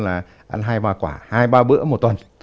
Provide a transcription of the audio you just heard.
là ăn hai và quả hai ba bữa một tuần